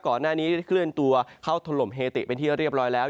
ก่อนหน้านี้ได้เคลื่อนตัวเข้าถล่มเฮติเป็นที่เรียบร้อยแล้ว